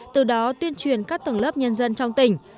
từ đó tuyên truyền các tầng lớp nhân dân trong tỉnh